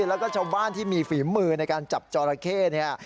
แล้วก็ชาวบ้านที่มีฝีมือในการจับจอราเข้เนี่ย